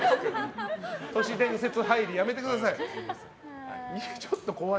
都市伝説入り、やめてください。